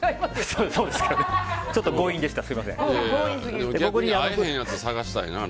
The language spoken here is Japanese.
ちょっと強引でした